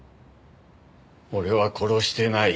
俺は殺してない。